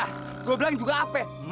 nah gua bilang juga apa ya